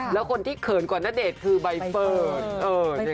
แล้วคนที่เขินกว่าณเดชน์คือใบเฟิร์น